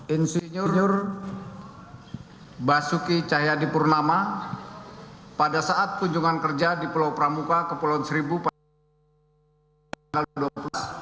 insinyur basuki cahyadi purnama pada saat kunjungan kerja di pulau pramuka ke pulau seribu pada tahun dua ribu sembilan belas